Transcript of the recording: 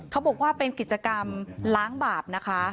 เขาบอกว่าเป็นกิจกรรมล้างบาปนะคะ